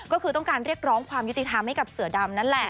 ก็คือต้องการเรียกร้องความยุติธรรมให้กับเสือดำนั่นแหละ